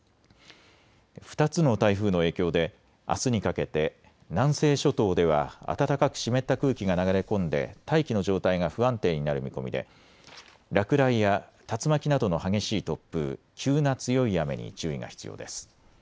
２つの台風の影響であすにかけて南西諸島では暖かく湿った空気が流れ込んで大気の状態が不安定になる見込みで落雷や竜巻などの激しい突風、急な強い雨に注意が必要です。